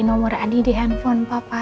nomor adi di handphone papa